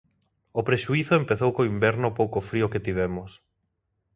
O prexuízo empezou co inverno pouco frío que tivemos.